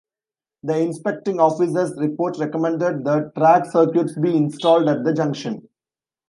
The Inspecting Officer's report recommended that track circuits be installed at the junction.